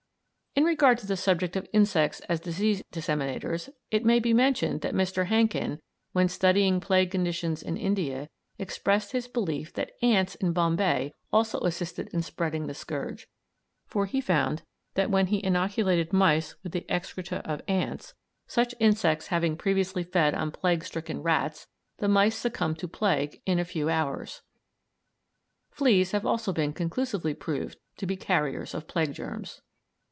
In regard to the subject of insects as disease disseminators, it may be mentioned that Mr. Hankin, when studying plague conditions in India, expressed his belief that ants in Bombay also assisted in spreading the scourge, for he found that when he inoculated mice with the excreta of ants, such insects having previously fed on plague stricken rats, the mice succumbed to plague in a few hours. Fleas have also been conclusively proved to be carriers of plague germs.